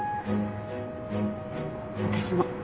私も。